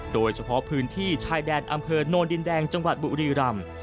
โดยเฉพาะพื้นที่ชายแดนอำเภอโนนดินแดงจังหวัดบุรีรำ